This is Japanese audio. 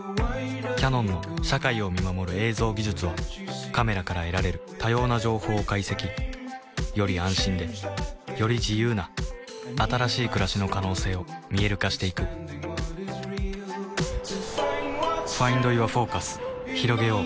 キヤノンの社会を見守る映像技術はカメラから得られる多様な情報を解析より安心でより自由な新しい暮らしの可能性を見える化していくひろげよう